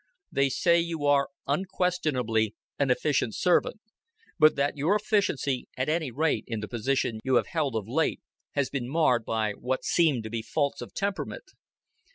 They say you are unquestionably an efficient servant, but that your efficiency at any rate, in the position you have held of late has been marred by what seem to be faults of temperament.